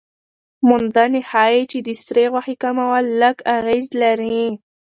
موندنې ښيي چې د سرې غوښې کمول لږ اغېز لري.